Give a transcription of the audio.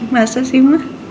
masa sih ma